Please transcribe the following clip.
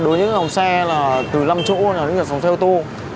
đối với dòng xe là từ năm chỗ là dòng xe ô tô